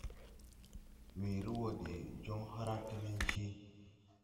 Weere wɔ de joŋ hragge nencee.